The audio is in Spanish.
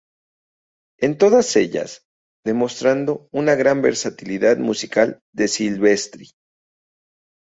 En todas ellas, demostrando una gran versatilidad musical de Silvestri.